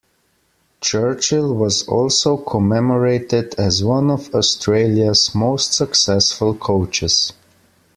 Churchill was also commemorated as one of Australias most successful coaches.